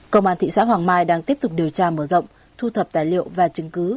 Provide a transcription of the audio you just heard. công an thị xã hoàng mai đang tiếp tục điều tra mở rộng thu thập tài liệu và chứng cứ